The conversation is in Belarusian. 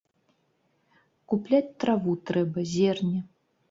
Купляць траву трэба, зерне.